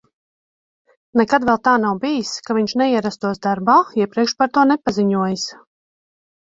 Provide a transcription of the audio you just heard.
Nekad vēl tā nav bijis, ka viņš neierastos darbā, iepriekš par to nepaziņojis.